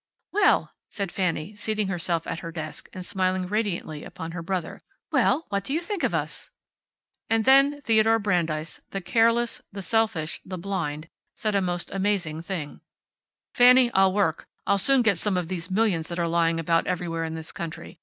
"Well," said Fanny, seating herself at her desk, and smiling radiantly upon her brother. "Well, what do you think of us?" And then Theodore Brandeis, the careless, the selfish, the blind, said a most amazing thing. "Fanny, I'll work. I'll soon get some of these millions that are lying about everywhere in this country.